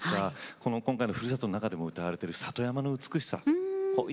今回の「故郷」の中でも歌われている里山の美しさ